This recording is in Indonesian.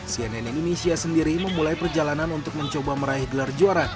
cnn indonesia sendiri memulai perjalanan untuk mencoba meraih gelar juara